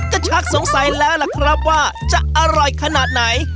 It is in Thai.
ก็ชักสงสัยแล้วล่ะครับว่าจะอร่อยขนาดไหน